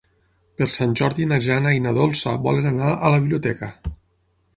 Per Sant Jordi na Jana i na Dolça volen anar a la biblioteca.